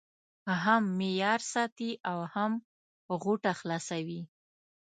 هم معیار ساتي او هم غوټه خلاصوي.